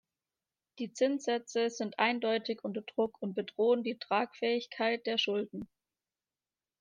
Die Zinssätze sind eindeutig unter Druck und bedrohen die Tragfähigkeit der Schulden.